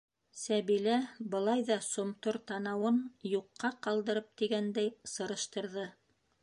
Сәбилә былай ҙа сомтор танауын юҡҡа ҡалдырып тигәндәй сырыштырҙы: